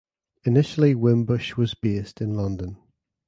Initially Wimbush was based in London.